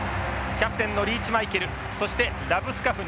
キャプテンのリーチマイケルそしてラブスカフニ。